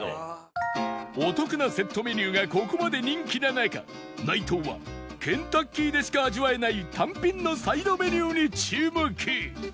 お得なセットメニューがここまで人気な中内藤はケンタッキーでしか味わえない単品のサイドメニューに注目